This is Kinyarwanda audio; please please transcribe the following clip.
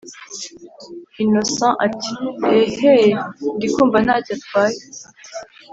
innocent ati”eeeeehhhh ndikumva ntacyo atwaye”